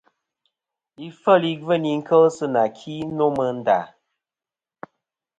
Ifel i gveyn kel sɨ nà ki nô mɨ nda.